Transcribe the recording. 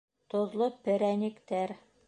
ТОҘЛО ПЕРӘНИКТӘР